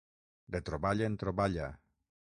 De troballa en troballa.